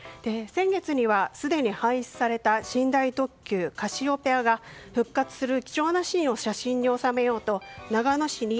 先月には、すでに廃止された寝台特急「カシオペア」が復活する貴重なシーンを写真に収めようと長野市に